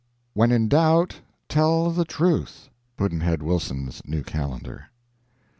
When in doubt, tell the truth. Pudd'nhead Wilson's New Calendar.